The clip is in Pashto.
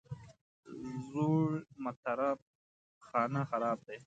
زوړ مطرب خانه خراب دی.